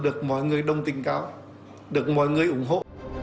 được mọi người đồng tình cao được mọi người ủng hộ